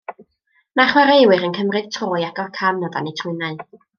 Mae'r chwaraewyr yn cymryd tro i agor can o dan eu trwynau.